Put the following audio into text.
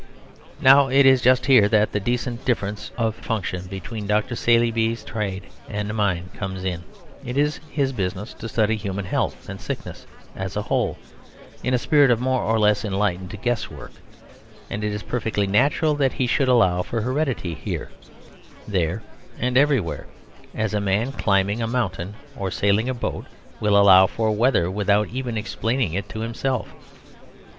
Now it is just here that the decent difference of function between Dr. Saleeby's trade and mine comes in. It is his business to study human health and sickness as a whole, in a spirit of more or less enlightened guesswork; and it is perfectly natural that he should allow for heredity here, there, and everywhere, as a man climbing a mountain or sailing a boat will allow for weather without even explaining it to himself.